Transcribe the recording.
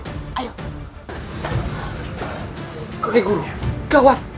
kakek guru gawat